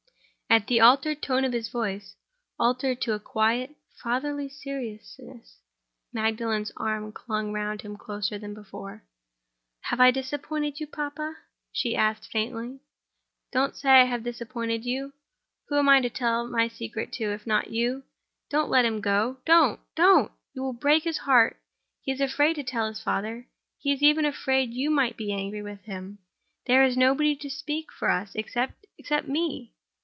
At the altered tone of his voice—altered to a quiet, fatherly seriousness—Magdalen's arms clung round him closer than before. "Have I disappointed you, papa?" she asked, faintly. "Don't say I have disappointed you! Who am I to tell my secret to, if not to you? Don't let him go—don't! don't! You will break his heart. He is afraid to tell his father; he is even afraid you might be angry with him. There is nobody to speak for us, except—except me.